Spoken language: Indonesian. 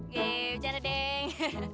yeay bercanda deng